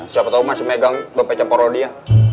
siapa tahu masih megang gua pecah parodia